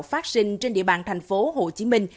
phát sinh trên địa bàn thành phố hồ chí minh